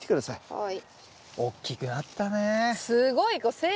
はい。